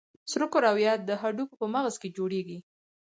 سره کرویات د هډوکو په مغز کې جوړېږي.